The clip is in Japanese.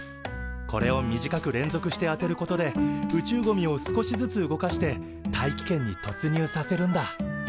これを短く連続して当てることで宇宙ゴミを少しずつ動かして大気圏にとつにゅうさせるんだ。